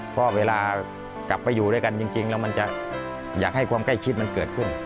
เพราะเวลากลับไปอยู่ด้วยกันจริงแล้วมันจะอยากให้ความใกล้ชิดมันเกิดขึ้น